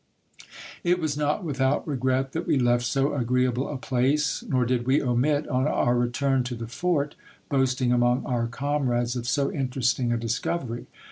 It was not without regret that we left so agreeable a place : nor did we omit, on our return to the fort, boasting among our comrades of so interesting a dis covery.